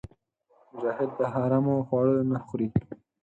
مجاهد د حرامو خواړه نه خوري.